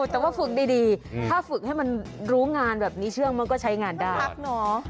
แต่ว่าฝึกดีถ้าฝึกให้มันรู้งานแบบนี้เชื่องมันก็ใช้งานได้พักเนาะ